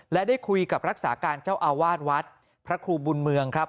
และได้คุยกับรักษาการเจ้าอาวาสวัดพระครูบุญเมืองครับ